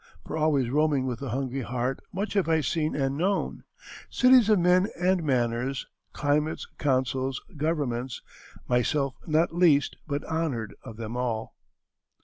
For always roaming with a hungry heart Much have I seen and known: cities of men And manners, climates, councils, governments, Myself not least but honored of them all."